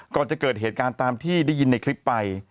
ก่อนจะเกิดเหตุการณ์ตามที่ได้ยินในคลิปไป